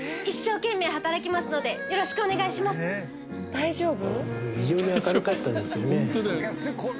大丈夫？